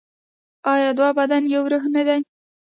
آیا دوه بدن یو روح نه دي؟